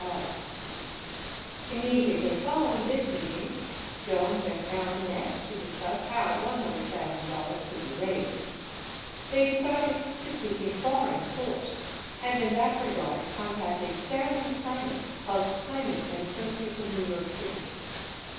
Immediately following this meeting, Jones and Allen met to dis cuss how $100,000 could be raised. They decided to seek a foreign source and in that regard contacted Stanley Simon, of Simon & As sociates of New York City.